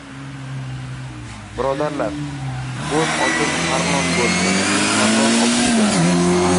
Birodarlar, bo‘z otim — Tarlon bo‘ldi! Men Tarlon otli bo‘ldim!